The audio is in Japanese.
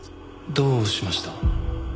どうしました？